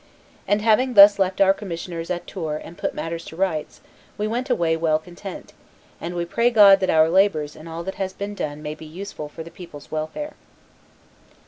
And having thus left our commissioners at Tours and put matters to rights, we went away well content; and we pray God that our labors and all that has been done may be useful for the people's welfare."